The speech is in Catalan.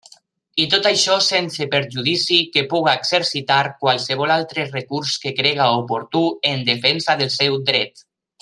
I tot això sense perjudici que puga exercitar qualsevol altre recurs que crega oportú en defensa del seu dret.